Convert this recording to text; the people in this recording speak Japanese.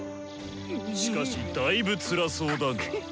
しかしだいぶつらそうだが？